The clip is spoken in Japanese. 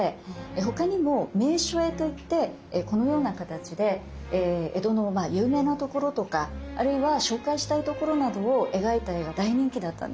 他にも「名所絵」といってこのような形で江戸の有名なところとかあるいは紹介したいところなどを描いた絵が大人気だったんです。